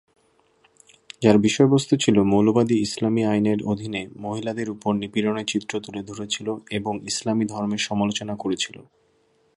যার বিষয়বস্তু ছিল "মৌলবাদী ইসলামী আইনের অধীনে মহিলাদের উপর নিপীড়নের চিত্র তুলে ধরেছিল এবং ইসলামী ধর্মের সমালোচনা করেছিল"।